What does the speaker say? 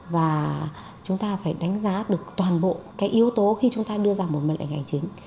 và chúng ta phải đánh giá được toàn bộ cái yếu tố khi chúng ta đưa ra một mệnh lệnh hành chính